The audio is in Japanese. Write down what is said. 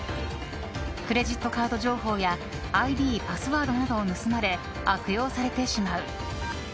クレジットカード情報やＩＤ、パスワードなどを盗まれ悪用されてしまう。